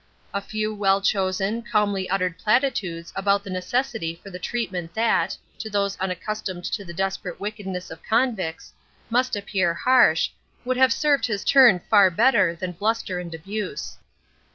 A few well chosen, calmly uttered platitudes anent the necessity for the treatment that, to those unaccustomed to the desperate wickedness of convicts, must appear harsh, would have served his turn far better than bluster and abuse.